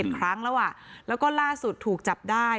ครั้งแล้วอ่ะแล้วก็ล่าสุดถูกจับได้